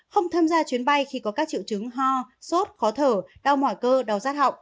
không tham gia chuyến bay khi có các triệu chứng ho sốt khó thở đau mỏ cơ đau rát họng